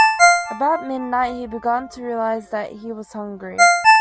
About midnight he began to realize that he was hungry.